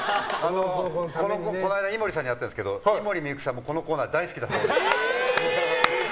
この間井森さんに会ったんですけど井森美幸さんもこのコーナー大好きだそうです。